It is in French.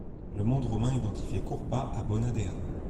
Le monde romain identifiait Cupra à Bona Dea.